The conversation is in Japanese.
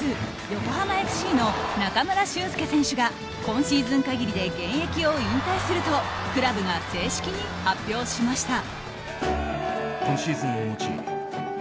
横浜ＦＣの中村俊輔選手が今シーズン限りで現役を引退するとクラブが正式に発表しました。